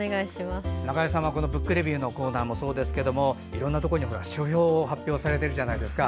中江さんは「ブックレビュー」のコーナーもそうですがいろんなところに書評を発表されているじゃないですか。